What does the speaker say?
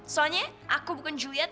soalnya aku bukan juliet